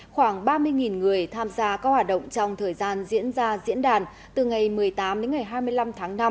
khoảng ba mươi người tham gia các hoạt động trong thời gian diễn ra diễn đàn từ ngày một mươi tám đến ngày hai mươi năm tháng năm